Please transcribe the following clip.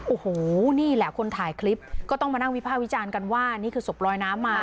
โอ้โหนี่แหละคนถ่ายคลิปก็ต้องมานั่งวิภาควิจารณ์กันว่านี่คือศพลอยน้ำมา